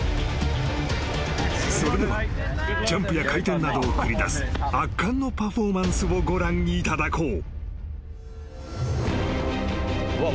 ［それではジャンプや回転などを繰り出す圧巻のパフォーマンスをご覧いただこう］